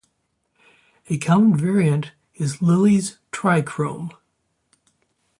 A common variant is Lillie's trichrome.